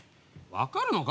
分かるのか？